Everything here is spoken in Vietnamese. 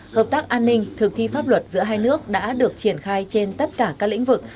hợp tác an ninh thực thi pháp luật giữa hai nước đã được triển khai trên tất cả các lĩnh vực